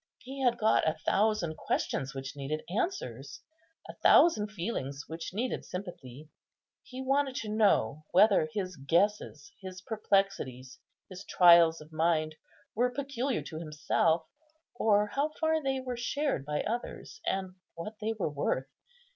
He had got a thousand questions which needed answers, a thousand feelings which needed sympathy. He wanted to know whether his guesses, his perplexities, his trials of mind, were peculiar to himself, or how far they were shared by others, and what they were worth.